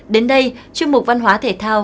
đến đây chương mục văn hóa thể thao